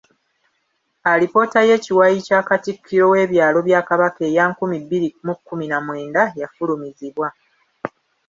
Alipoota y'ekiwayi kya Katikkiro w'ebyalo bya Kabaka eya nkumi bbiri mu kkumi na mwenda yafulumizibwa.